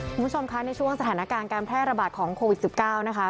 คุณผู้ชมคะในช่วงสถานการณ์การแพร่ระบาดของโควิด๑๙นะคะ